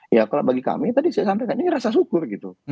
ya kalau bagi kami tadi saya sampaikan ini rasa syukur gitu